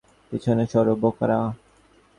পিছনে সরো, বোকারা।